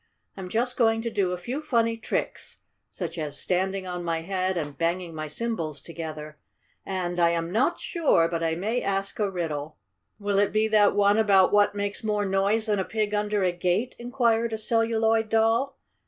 "I'm just going to do a few funny tricks, such as standing on my head and banging my cymbals together. And, I am not sure, but I may ask a riddle." "Will it be that one about what makes more noise than a pig under a gate?" inquired a Celluloid Doll.